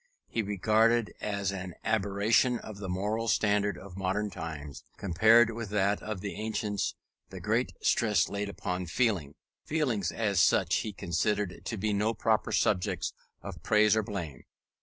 He regarded as an aberration of the moral standard of modern times, compared with that of the ancients, the great stress laid upon feeling. Feelings, as such, he considered to be no proper subjects of praise or blame.